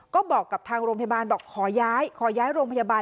ก็บอกกับทางโรงพยาบาลบอกขอย้ายขอย้ายโรงพยาบาล